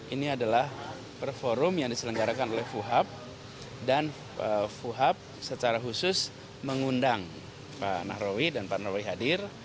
ini adalah perform yang diselenggarakan oleh fuhab dan fuhab secara khusus mengundang pak nahrawi dan pak narawi hadir